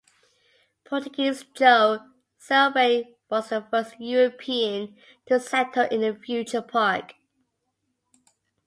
"Portuguese Joe" Silvey was the first European to settle in the future park.